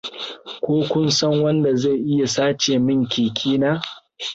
Ko kun san wanda zai iya sace min keke na?